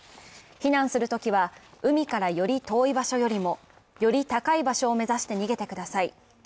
避難するときは、海からより遠い場所よりもより高い場所を目指して逃げてください。